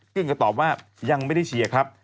กึ้งก็ตอบว่ายังไม่ได้เชียร์ครับ